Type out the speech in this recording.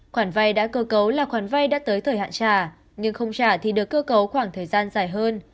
khoản vay đã cơ cấu là khoản vay đã tới thời hạn trả nhưng không trả thì được cơ cấu khoảng thời gian dài hơn